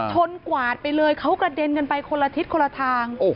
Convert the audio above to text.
กวาดไปเลยเขากระเด็นกันไปคนละทิศคนละทาง